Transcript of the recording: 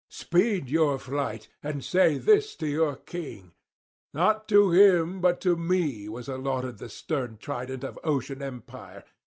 Speed your flight, and say this to your king: not to him but to me was allotted the stern trident of ocean empire.